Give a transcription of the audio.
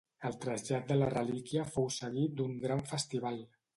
El trasllat de la relíquia fou seguit d'un gran festival.